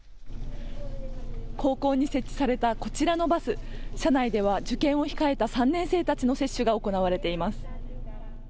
高校に設置されたこちらのバス、車内では受験を控えた３年生たちの接種が行われています。